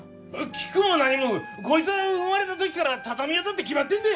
聞くも何もこいつは生まれたときから畳屋だって決まってんだ！